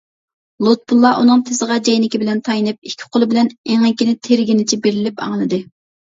لۇتپۇللا ئۇنىڭ تىزىغا جەينىكى بىلەن تايىنىپ، ئىككى قولى بىلەن ئېڭىكىنى تىرىگىنىچە بېرىلىپ ئاڭلىدى.